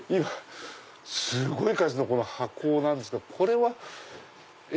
すごい数の箱なんですがこれは。